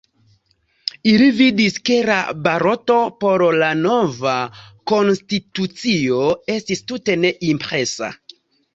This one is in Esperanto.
Ili vidis, ke la baloto por la nova konstitucio estis tute ne impresa.